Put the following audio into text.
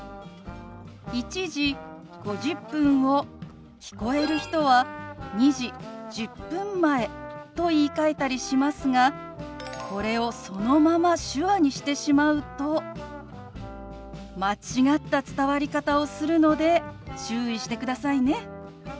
「１時５０分」を聞こえる人は「２時１０分前」と言いかえたりしますがこれをそのまま手話にしてしまうと間違った伝わり方をするので注意してくださいね。